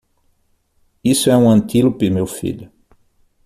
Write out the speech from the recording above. Isso é um antílope meu filho.